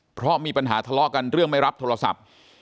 เพราะมีปัญหาทะเลาะกันเรื่องไม่รับโทรศัพท์